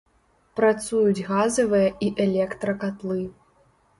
Працуюць газавыя і электракатлы.